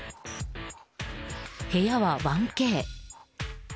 部屋は１Ｋ。